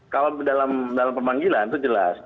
kalau dalam pemanggilan itu jelas